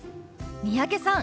三宅さん